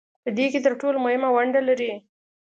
په دې کې تر ټولو مهمه ونډه لري